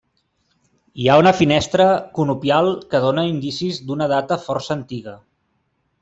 Hi ha una finestra conopial que dóna indicis d'una data força antiga.